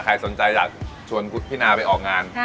ใครสนใจอยากชวนคุณพี่นาไปออกงาน